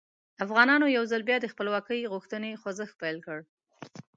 افغانانو یو ځل بیا د خپلواکۍ غوښتنې خوځښت پیل کړ.